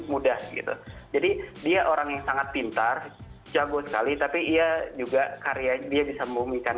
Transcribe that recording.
mudah gitu jadi dia orang yang sangat pintar jago sekali tapi ia juga karya dia bisa membumikan